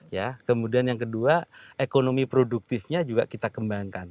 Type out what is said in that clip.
ya kemudian yang kedua ekonomi produktifnya juga kita kembangkan